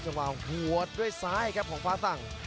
สำหรับหัวด้วยซ้ายครับของฟ้าตัง